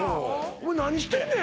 お前何してるねん